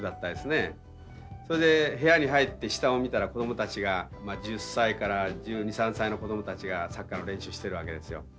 それで部屋に入って下を見たら子どもたちが１０歳から１２１３歳の子どもたちがサッカーの練習してるわけですよ。